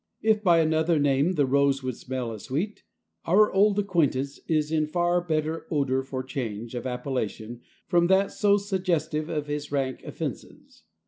If by another name the rose would smell as sweet, our old acquaintance is in far better odor for change of appellation from that so suggestive of his rank offenses.